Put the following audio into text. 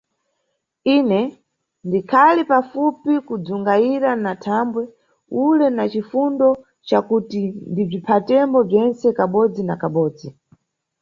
Ine, ndikhali pafupi kudzungayira na mʼdabwo ule na cifundo cakuti ndibziphatembo bzentse kabodzi na kabodzi!